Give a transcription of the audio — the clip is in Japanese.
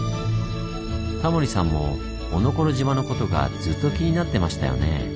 タモリさんもおのころ島のことがずっと気になってましたよね。